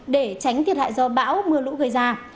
để tránh thiệt hại do bão mưa lũ gây ra